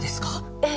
ええ。